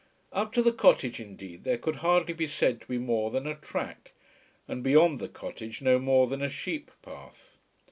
Up to the cottage indeed there could hardly be said to be more than a track, and beyond the cottage no more than a sheep path.